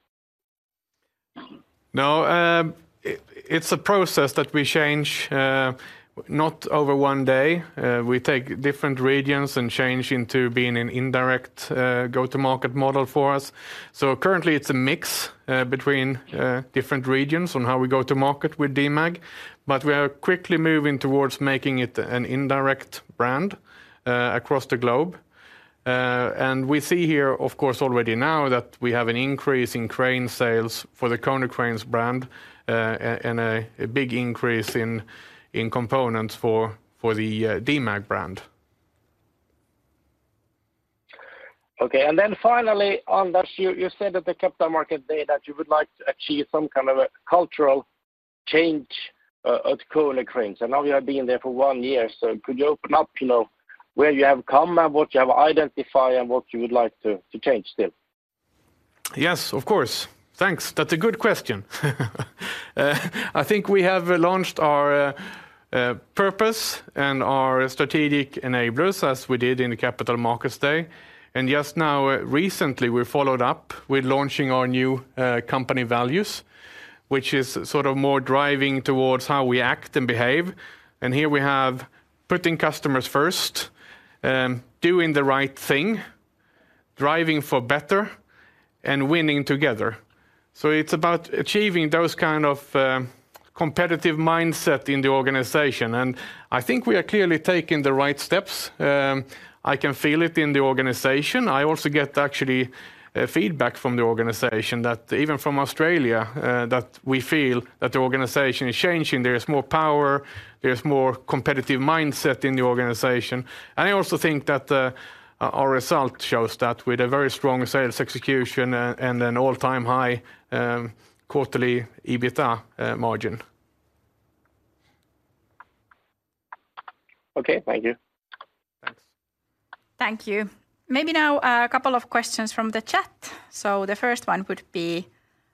No, it's a process that we change, not over one day. We take different regions and change into being an indirect go-to-market model for us. So currently, it's a mix between different regions on how we go to market with Demag, but we are quickly moving towards making it an indirect brand across the globe. And we see here, of course, already now that we have an increase in crane sales for the Konecranes brand and a big increase in components for the Demag brand. Okay, and then finally, Anders, you said at the Capital Markets Day that you would like to achieve some kind of a cultural change at Konecranes, and now you have been there for one year. So could you open up, you know, where you have come and what you have identified and what you would like to change still? Yes, of course. Thanks. That's a good question. I think we have launched our purpose and our strategic enablers, as we did in the Capital Markets Day. And just now, recently, we followed up with launching our new company values, which is sort of more driving towards how we act and behave. And here we have: putting customers first, doing the right thing, driving for better, and winning together. So it's about achieving those kind of competitive mindset in the organization, and I think we are clearly taking the right steps. I can feel it in the organization. I also get actually feedback from the organization, that even from Australia, that we feel that the organization is changing. There is more power, there is more competitive mindset in the organization. I also think that our result shows that with a very strong sales execution and an all-time high quarterly EBITA margin.... Okay, thank you. Thanks. Thank you. Maybe now, a couple of questions from the chat. The first one would be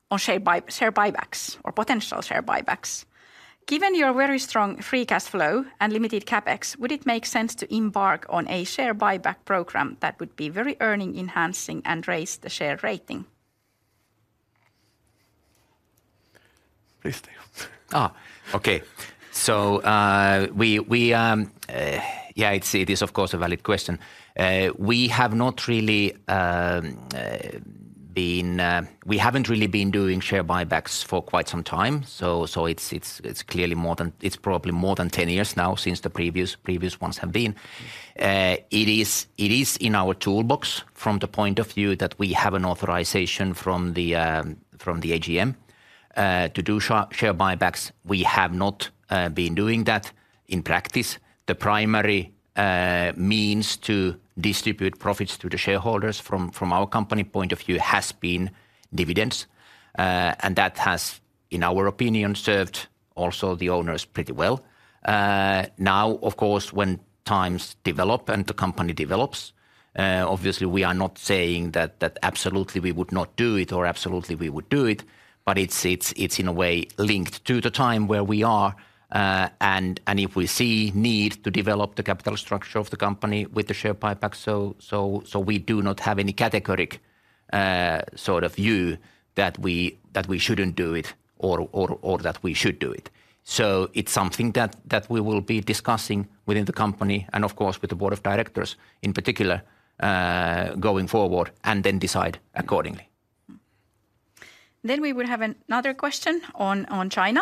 on share buy, share buybacks or potential share buybacks. Given your very strong free cash flow and limited CapEx, would it make sense to embark on a share buyback program that would be very earning-enhancing and raise the share rating? Please, Teo. It's a valid question. We haven't really been doing share buybacks for quite some time. So it's probably more than 10 years now since the previous ones have been. It is in our toolbox from the point of view that we have an authorization from the AGM to do share buybacks. We have not been doing that in practice. The primary means to distribute profits to the shareholders from our company point of view has been dividends. And that has, in our opinion, served the owners pretty well. Now, of course, when times develop and the company develops, obviously, we are not saying that absolutely we would not do it or absolutely we would do it, but it's in a way linked to the time where we are. And if we see need to develop the capital structure of the company with the share buyback, so we do not have any categorical sort of view that we shouldn't do it or that we should do it. So it's something that we will be discussing within the company and, of course, with the board of directors, in particular, going forward, and then decide accordingly. We will have another question on China.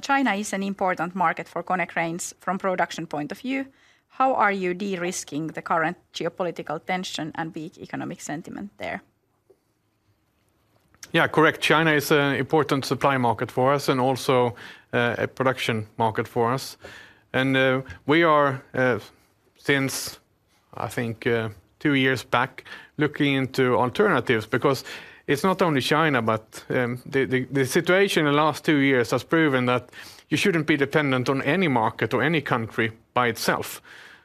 China is an important market for Konecranes from production point of view. How are you de-risking the current geopolitical tension and weak economic sentiment there? Yeah, correct. China is an important supply market for us and also a production market for us. And we are, since I think two years back, looking into alternatives, because it's not only China, but the situation in the last two years has proven that you shouldn't be dependent on any market or any country by itself.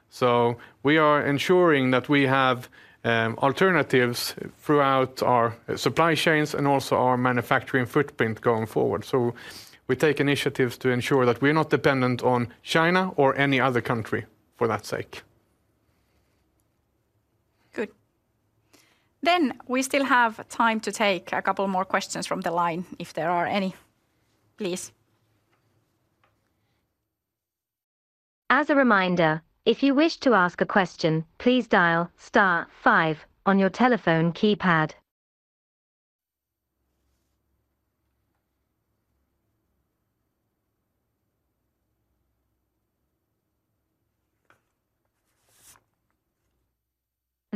So we are ensuring that we have alternatives throughout our supply chains and also our manufacturing footprint going forward. So we take initiatives to ensure that we're not dependent on China or any other country, for that sake. Good. We still have time to take a couple more questions from the line, if there are any. Please. As a reminder, if you wish to ask a question, please dial star five on your telephone keypad.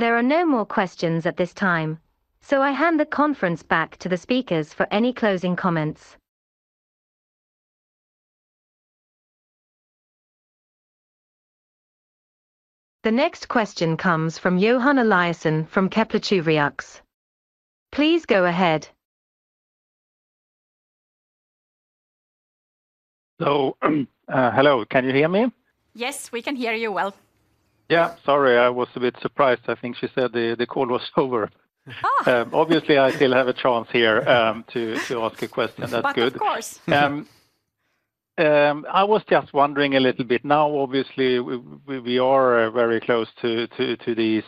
There are no more questions at this time, so I hand the conference back to the speakers for any closing comments. The next question comes from Johan Eliason from Kepler Cheuvreux. Please go ahead. Hello, can you hear me? Yes, we can hear you well. Yeah. Sorry, I was a bit surprised. I think she said the, the call was over. Ah! Obviously, I still have a chance here to ask a question. That's good. But of course. I was just wondering a little bit. Now, obviously, we are very close to these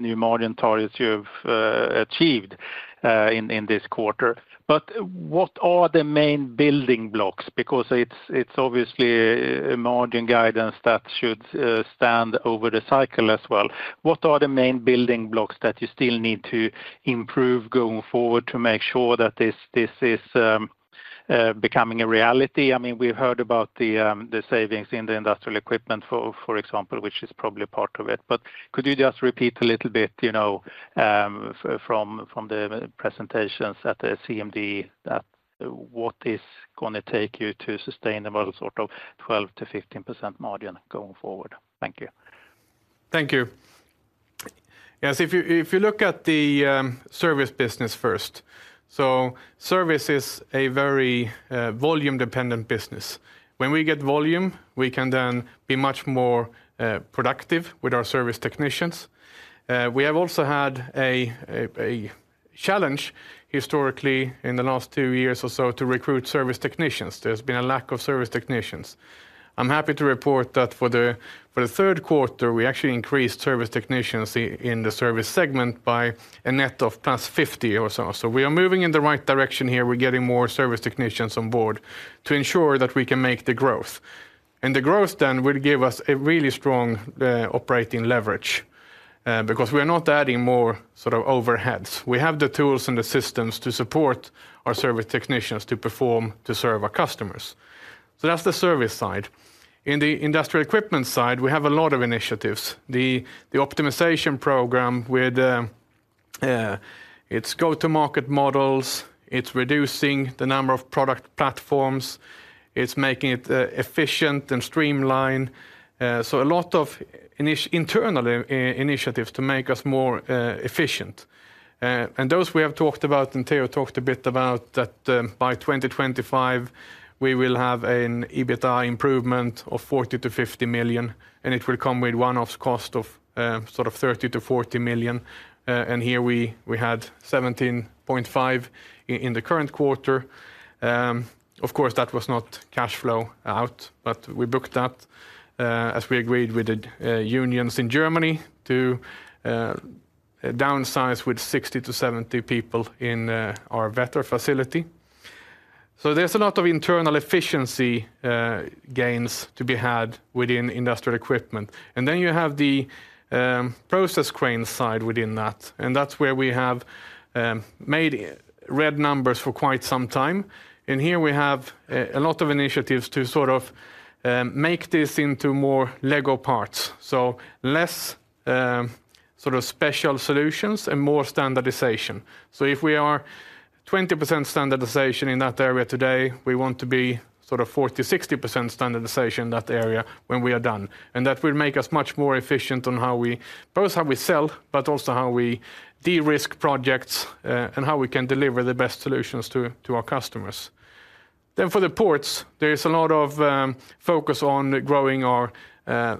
new margin targets you've achieved in this quarter. But what are the main building blocks? Because it's obviously a margin guidance that should stand over the cycle as well. What are the main building blocks that you still need to improve going forward to make sure that this is becoming a reality? I mean, we've heard about the savings in the Industrial Equipment, for example, which is probably part of it. But could you just repeat a little bit, you know, from the presentations at the CMD, that what is gonna take you to sustainable sort of 12%-15% margin going forward? Thank you. Thank you. Yes, if you look at the service business first, so Service is a very volume-dependent business. When we get volume, we can then be much more productive with our service technicians. We have also had a challenge historically, in the last two years or so, to recruit service technicians. There's been a lack of service technicians. I'm happy to report that for the third quarter, we actually increased service technicians in the service segment by a net of +50 or so. So we are moving in the right direction here. We're getting more service technicians on board to ensure that we can make the growth. And the growth then will give us a really strong operating leverage because we are not adding more sort of overheads. We have the tools and the systems to support our service technicians to perform, to serve our customers. So that's the service side. In the industrial equipment side, we have a lot of initiatives. The optimization program with its go-to-market models, it's reducing the number of product platforms, it's making it efficient and streamlined. So a lot of internally initiatives to make us more efficient. And those we have talked about, and Teo talked a bit about that, by 2025 we will have an EBITDA improvement of 40 million-50 million, and it will come with one-off cost of sort of 30 million-40 million. And here we had 17.5 in the current quarter. Of course, that was not cash flow out, but we booked that, as we agreed with the, unions in Germany to, downsize with 60-70 people in, our Wetter facility. So there's a lot of internal efficiency, gains to be had within Industrial Equipment. And then you have the, process crane side within that, and that's where we have, made red numbers for quite some time. And here we have, a lot of initiatives to sort of, make this into more LEGO parts, so less, sort of special solutions and more standardization. So if we are 20% standardization in that area today, we want to be sort of 40%-60% standardization in that area when we are done, and that will make us much more efficient on how we both how we sell, but also how we de-risk projects, and how we can deliver the best solutions to our customers. Then for the ports, there is a lot of focus on growing our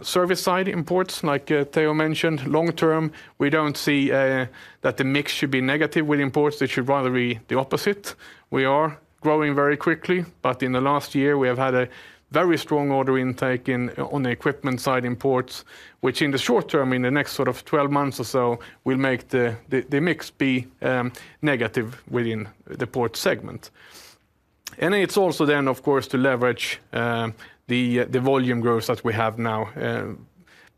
service side in ports. Like, Teo mentioned, long term, we don't see that the mix should be negative with imports. It should rather be the opposite. We are growing very quickly, but in the last year we have had a very strong order intake in, on the equipment side in ports, which in the short term, in the next sort of 12 months or so, will make the mix be negative within the port segment. And it's also then, of course, to leverage the volume growth that we have now.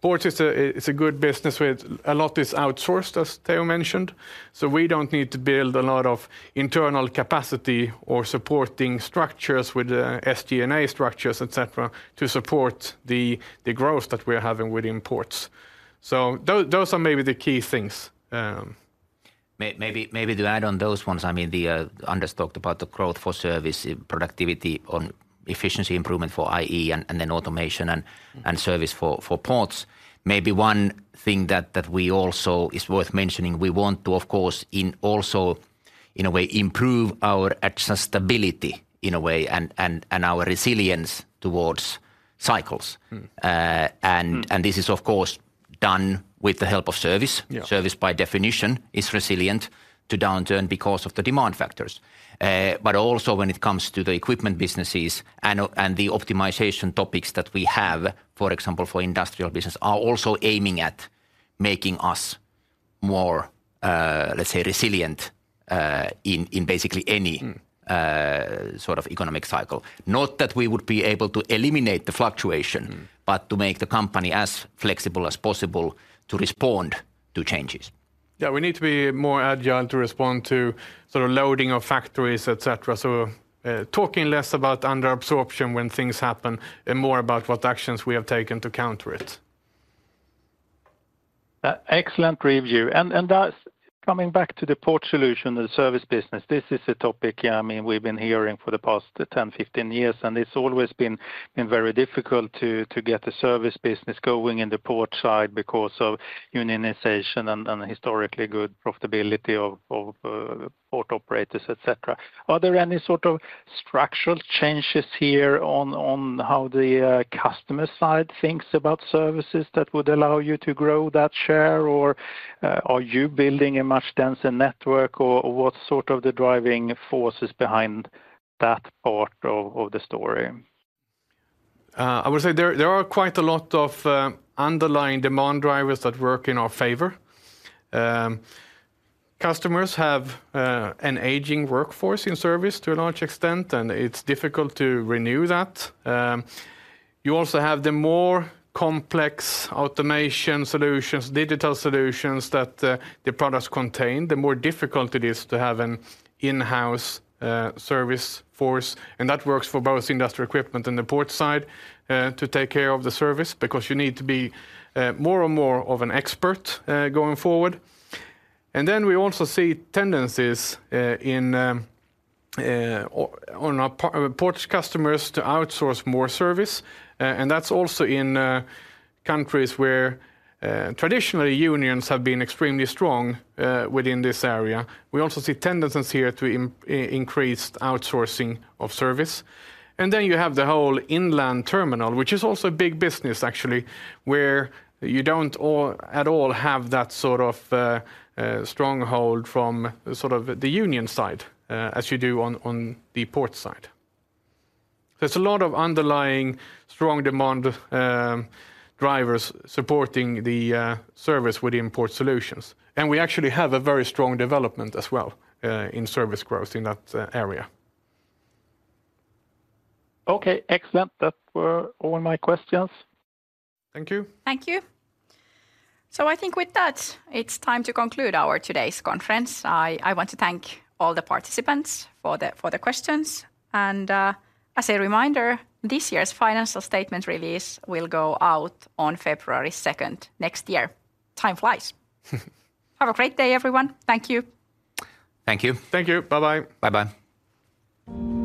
Port is a good business where a lot is outsourced, as Teo mentioned, so we don't need to build a lot of internal capacity or supporting structures with SG&A structures, et cetera, to support the growth that we're having within ports. So those are maybe the key things. Maybe, maybe to add on those ones, I mean, the Anders talked about the growth for service, productivity on efficiency improvement for IE, and then automation and service for ports. Maybe one thing that we also is worth mentioning, we want to, of course, in also, in a way, improve our adjustability in a way, and our resilience towards cycles. Mm-hmm. Uh, and- Mm. This is, of course, done with the help of Service. Yeah. Service, by definition, is resilient to downturn because of the demand factors. But also when it comes to the equipment businesses and the optimization topics that we have, for example, for industrial business, are also aiming at making us more, let's say, resilient, in basically any- Mm... sort of economic cycle. Not that we would be able to eliminate the fluctuation- Mm... but to make the company as flexible as possible to respond to changes. Yeah, we need to be more agile to respond to sort of loading of factories, et cetera. So, talking less about under absorption when things happen and more about what actions we have taken to counter it. Excellent review. And that's coming back to the Port Solution, the service business. This is a topic, I mean, we've been hearing for the past 10, 15 years, and it's always been very difficult to get the service business going in the port side because of unionization and historically good profitability of port operators, et cetera. Are there any sort of structural changes here on how the customer side thinks about services that would allow you to grow that share? Or are you building a much denser network, or what's sort of the driving forces behind that part of the story? I would say there are quite a lot of underlying demand drivers that work in our favor. Customers have an aging workforce in service to a large extent, and it's difficult to renew that. You also have the more complex automation solutions, digital solutions that the products contain, the more difficult it is to have an in-house service force. And that works for both industrial equipment and the port side to take care of the service, because you need to be more and more of an expert going forward. And then we also see tendencies in on our port customers to outsource more service. And that's also in countries where traditionally unions have been extremely strong within this area. We also see tendencies here to increased outsourcing of service. And then you have the whole inland terminal, which is also a big business, actually, where you don't at all have that sort of stronghold from sort of the union side, as you do on the port side. There's a lot of underlying strong demand drivers supporting the service within Port Solutions, and we actually have a very strong development as well in service growth in that area. Okay, excellent. That were all my questions. Thank you. Thank you. So I think with that, it's time to conclude our today's conference. I, I want to thank all the participants for the, for the questions. And, as a reminder, this year's financial statement release will go out on February 2nd, next year. Time flies. Have a great day, everyone. Thank you. Thank you. Thank you. Bye-bye. Bye-bye....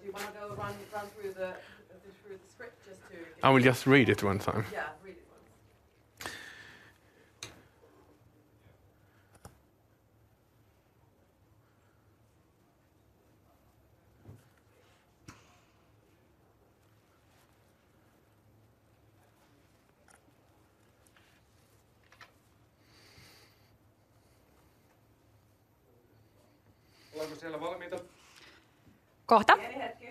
do you wanna go around, run through the script just to- I will just read it one time. Yeah, read it once. Ollaanko siellä valmiita? Kohta. Pieni hetki. Olisko sulla jotain erityistoiveita tohon alkuun tai jotain, sen materiaalin- Joo, eli- -vaiheeseen? Joo, eli, eli se ajatus on se, et lähdetään, niinku, molemmista,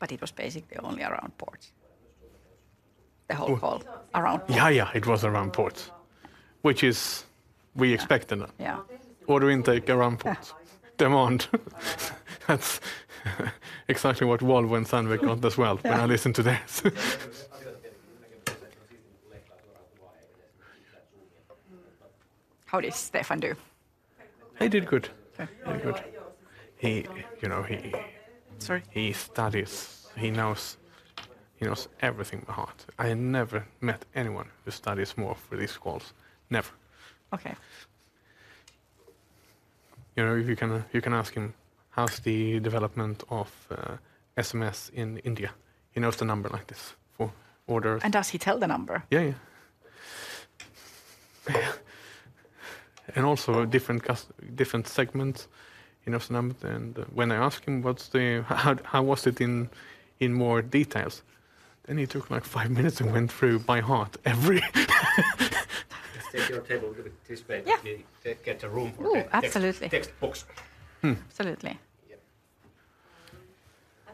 ja sitten, niinku, Kiira esittelee Andersin, ja sit se, niinku, se kamera tulee, tulee sitten fokusoitua tänne siihen. Sit siihen kannattaa jättää vähän sitä sivulle sitä tilaa, jotta me saadaan. Saa. Ihan vaan mietitään, että lähtisikö se niin vaan, että meniskö se kiinni? Öö. Suurempi kamera, niin vois mennä tästä vaan kiinni. Niin. Jättää oikealle puolelle. Niin. It was basically only around port, the whole call around port. Yeah, yeah, it was around port, which is, we expected that. Yeah. Order intake around ports. Yeah. Demand. That's exactly what Wall and Sandvik got as well- Yeah... when I listened to this. How did Stefan do? He did good. Yeah. He did good. He, you know, Sorry? He studies. He knows, he knows everything by heart. I never met anyone who studies more for these calls. Never. Okay. You know, you can, you can ask him, how's the development of SMS in India? He knows the number like this for orders. Does he tell the number? Yeah, yeah. And also different segments, he knows the numbers, and when I ask him what's the—how was it in more details, then he took, like, five minutes and went through by heart every... Let's take your table with this way. Yeah. To get a room for it. Oh, absolutely. Textbooks. Mm. Absolutely. Yeah.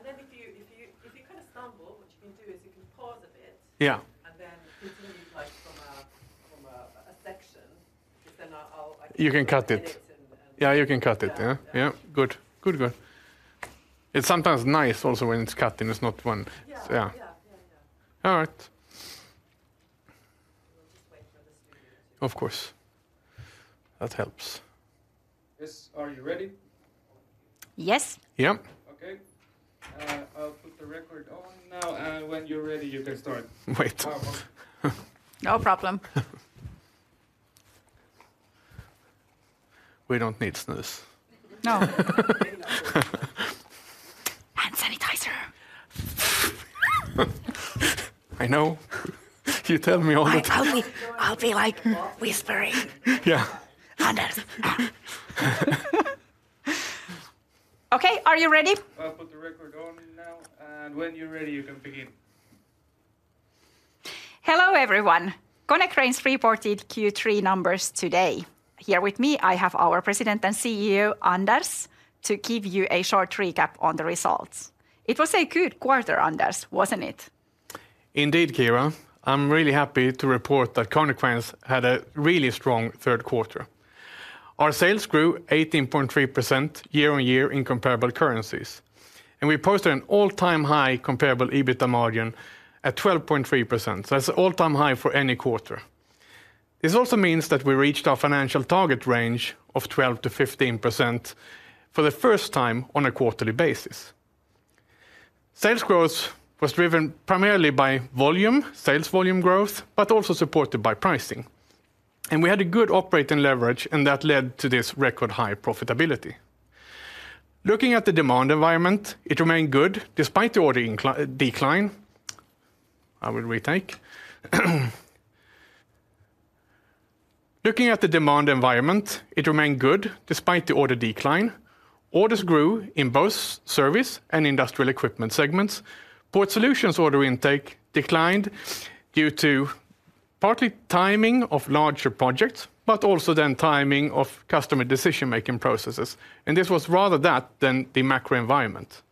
Then if you kinda stumble, what you can do is you can pause a bit. Yeah and then continue, like, from a section. But then I'll... You can cut it. Yeah. Yeah, you can cut it. Yeah. Yeah. Good. Good, good. It's sometimes nice also when it's cutting. It's not one- Yeah. Yeah. Yeah, yeah, yeah. All right. We'll just wait for the studio. Of course. That helps. Yes. Are you ready? Yes. Yeah. Okay. I'll put the record on now, and when you're ready, you can start. Wait. No problem. We don't need this. No. Hand sanitizer. I know. You tell me all the time. I'll be like whispering. Yeah. Anders. Okay, are you ready? I'll put the record on now, and when you're ready, you can begin. Hello, everyone. Konecranes reported Q3 numbers today. Here with me, I have our President and CEO, Anders, to give you a short recap on the results. It was a good quarter, Anders, wasn't it? Indeed, Kiira. I'm really happy to report that Konecranes had a really strong third quarter. Our sales grew 18.3% year-on-year in comparable currencies, and we posted an all-time high comparable EBITDA margin at 12.3%. So that's an all-time high for any quarter. This also means that we reached our financial target range of 12%-15% for the first time on a quarterly basis. Sales growth was driven primarily by volume, sales volume growth, but also supported by pricing. And we had a good operating leverage, and that led to this record high profitability. Looking at the demand environment, it remained good despite the order decline. Orders grew in both Service and Industrial Equipment segments. Port Solutions order intake declined due to partly timing of larger projects, but also then timing of customer decision-making processes, and this was rather that than the macro environment.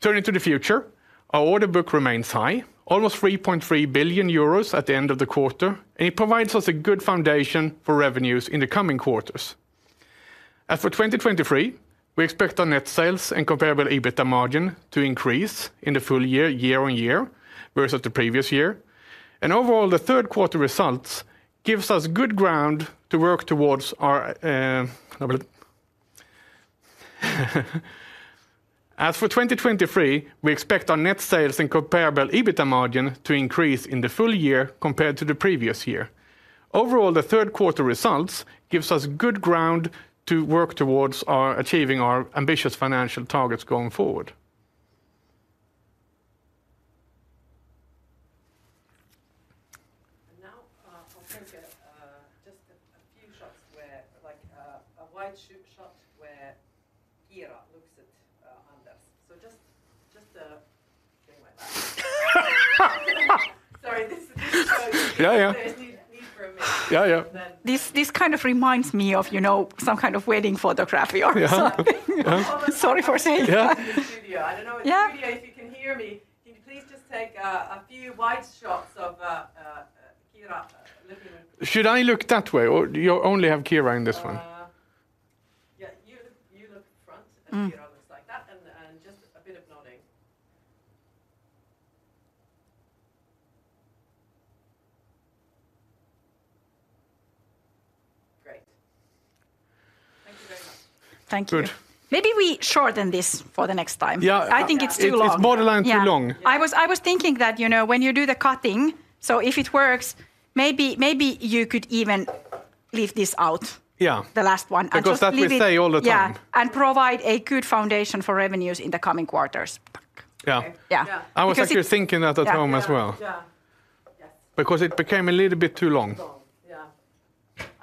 Turning to the future, our order book remains high, almost 3.3 billion euros at the end of the quarter, and it provides us a good foundation for revenues in the coming quarters. As for 2023, we expect our net sales and Comparable EBITDA margin to increase in the full year, year-on-year, versus the previous year. And overall, the third quarter results gives us good ground to work towards our. As for 2023, we expect our net sales and Comparable EBITDA margin to increase in the full year compared to the previous year. Overall, the third quarter results gives us good ground to work towards our achieving our ambitious financial targets going forward. Now, I'll take just a few shots where, like, a wide shot where Kiira looks at Anders. So just stay like that. Sorry, this- Yeah, yeah. We need for a minute. Yeah, yeah. This kind of reminds me of, you know, some kind of waiting photography or something. Yeah. Sorry for saying. Yeah. Studio. I don't know- Yeah... if you can hear me, can you please just take a few wide shots of Kiira looking at- Should I look that way, or you only have Kiira in this one? Yeah, you look front- Mm... and Kiira looks like that, and, and just a bit of nodding. Great. Thank you very much. Thank you. Good. Maybe we shorten this for the next time. Yeah. I think it's too long. It's borderline too long. Yeah. I was thinking that, you know, when you do the cutting, so if it works, maybe you could even leave this out- Yeah... the last one. And just leave it- Because that we say all the time. Yeah. Provide a good foundation for revenues in the coming quarters. Pak. Yeah. Okay. Yeah. Yeah. Because- I was actually thinking that at home as well. Yeah. Yeah. Yes. Because it became a little bit too long. Long, yeah.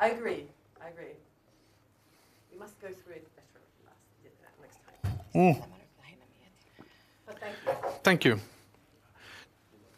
I agree. I agree. We must go through it better next time. Mm. Thank you. Thank you.